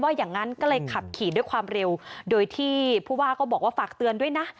อย่างนั้นก็เลยขับขี่ด้วยความเร็วโดยที่ผู้ว่าก็บอกว่าฝากเตือนด้วยนะ